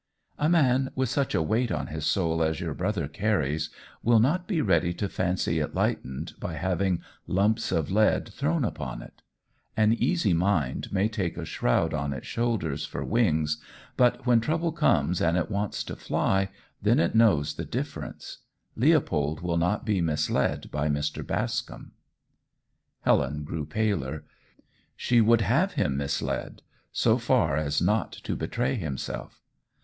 "A man with such a weight on his soul as your brother carries, will not be ready to fancy it lightened by having lumps of lead thrown upon it. An easy mind may take a shroud on its shoulders for wings, but when trouble comes and it wants to fly, then it knows the difference. Leopold will not be misled by Mr. Bascombe." Helen grew paler. She would have him misled so far as not to betray himself.